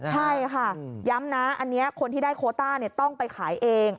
ใช่ค่ะย้ำนะอันนี้คนที่ได้โคต้าต้องไปขายเอง